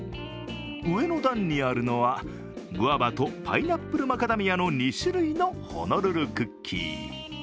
上の段にあるのはグアバとパイナップルマカダミアの２種類のホノルルクッキー。